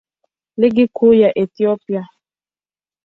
Ligi Kuu ya Ethiopia.